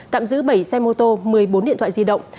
tạm giữ bảy xe mô tô một mươi bốn điện thoại di động